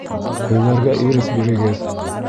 — Һөйләргә ирек бирегеҙ.